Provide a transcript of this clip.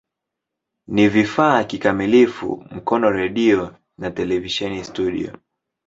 Ni vifaa kikamilifu Mkono redio na televisheni studio.